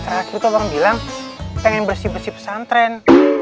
terakhir itu abang bilang pengen bersih bersih pesantren